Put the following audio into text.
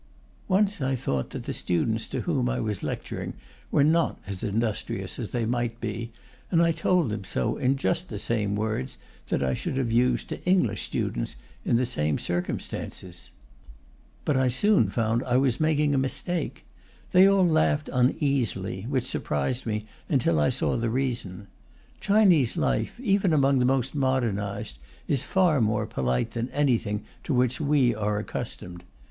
Once I thought that the students to whom I was lecturing were not as industrious as they might be, and I told them so in just the same words that I should have used to English students in the same circumstances. But I soon found I was making a mistake. They all laughed uneasily, which surprised me until I saw the reason. Chinese life, even among the most modernized, is far more polite than anything to which we are accustomed.